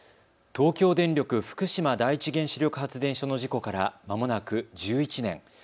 東京電力福島第一原子力発電所の事故からまもなく１１年。